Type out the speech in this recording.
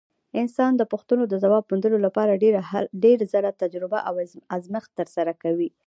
انسان د پوښتنو د ځواب موندلو لپاره ډېر ځله تجربه او ازمېښت ترسره کوي.